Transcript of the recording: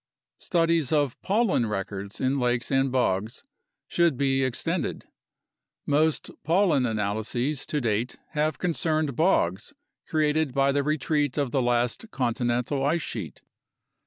Studies of pollen records in lakes and bogs should be extended. Most pollen analyses to date have concerned bogs created by the retreat of the last continental ice sheet.